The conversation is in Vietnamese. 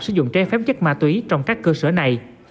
sử dụng trái phép chất ma túy trong các cơ sở này